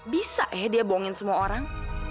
bisa ya dia bohongin semua orang